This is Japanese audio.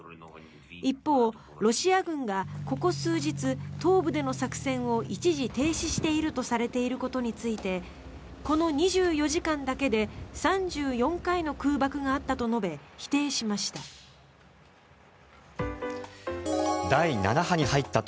一方、ロシア軍がここ数日、東部での作戦を一時停止しているとされていることについてこの２４時間だけで３４回の空爆があったと述べ否定しました。